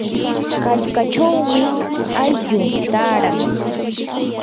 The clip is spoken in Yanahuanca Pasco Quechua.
qallqachawmi aylluu taaran.